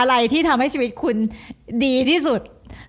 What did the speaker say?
อะไรที่ทำให้ชีวิตคุณดีที่สุด